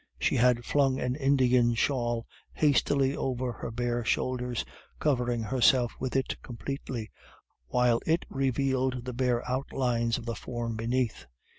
She had flung an Indian shawl hastily over her bare shoulders, covering herself with it completely, while it revealed the bare outlines of the form beneath.